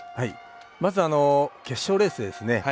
まずあの決勝レースでですね